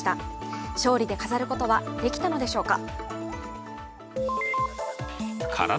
勝利で飾ることはできたのでしょうか。